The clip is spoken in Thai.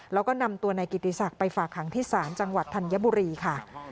แล้วก็นำตัวนายกิติศักดิ์ไปฝากหางที่ศาลจังหวัดธัญบุรีค่ะ